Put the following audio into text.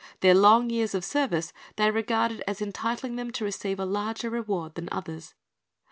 Their long years of service they regarded as entitling them to receive a larger reward than others.